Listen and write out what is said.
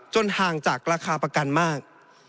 ห่างจากราคาประกันมาก